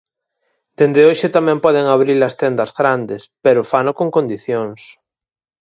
Dende hoxe tamén poden abrir as tendas grandes, pero fano con condicións.